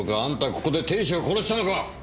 ここで亭主を殺したのか！？